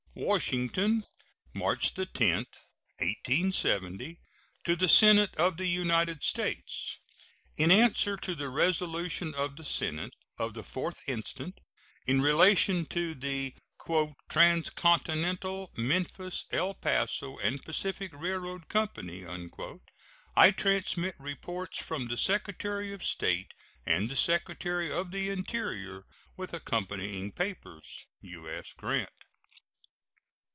WASHINGTON, March 10, 1870. To the Senate of the United States: In answer to the resolution of the Senate of the 4th instant, in relation to the "Transcontinental, Memphis, El Paso and Pacific Railroad Company," I transmit reports from the Secretary of State and the Secretary of the Interior, with accompanying papers. U.S. GRANT.